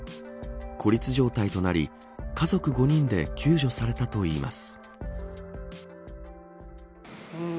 孤立状態となり家族５人で救助されたといいます。